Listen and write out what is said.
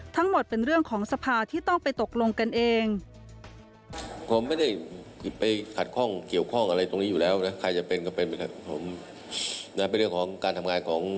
ทั้งหมดเป็นเรื่องของสภาที่ต้องไปตกลงกันเอง